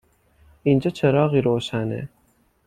اینجا چراغی روشنه